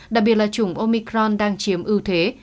đặc biệt là chủng omicron đang chiếm ưu thế